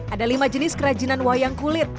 ada lima jenis kerajinan wayang kulit